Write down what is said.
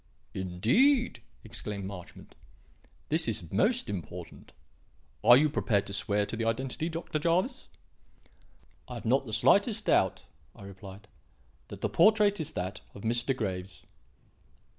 "Indeed!" exclaimed Marchmont. "This is most important. Are you prepared to swear to the identity, Dr. Jervis?" "I have not the slightest doubt," I replied, "that the portrait is that of Mr. Graves."